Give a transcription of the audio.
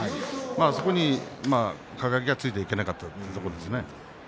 そこに輝がついていけなかったということですね。